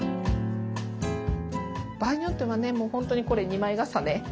場合によってはねもう本当にこれ２枚重ね。